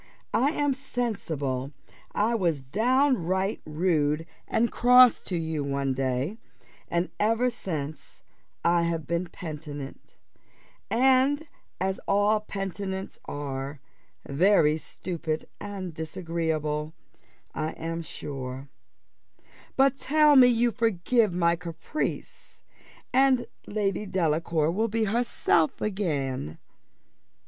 I am sensible I was downright rude and cross to you one day, and ever since I have been penitent; and, as all penitents are, very stupid and disagreeable, I am sure: but tell me you forgive my caprice, and Lady Delacour will be herself again."